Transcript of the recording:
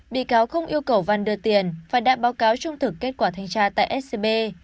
bị cáo không yêu cầu văn đưa tiền và đã báo cáo trung thực kết quả thanh tra tại scb